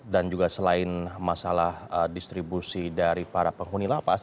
dan juga selain masalah distribusi dari para penghuni lapas